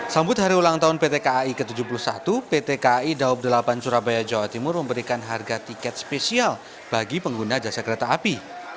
sambut hari ulang tahun pt kai ke tujuh puluh satu pt kai daob delapan surabaya jawa timur memberikan harga tiket spesial bagi pengguna jasa kereta api